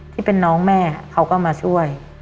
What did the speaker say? ที่เป็นน้องแม่เขาก็มาช่วย